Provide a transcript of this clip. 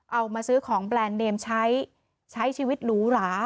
เอามาซื้อของแบรนด์เนมใช้ใช้ชีวิตหรูหรา